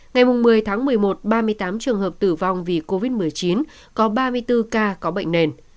ngày một mươi tháng một mươi một ba mươi tám trường hợp tử vong vì covid một mươi chín có ba mươi bốn ca có bệnh nền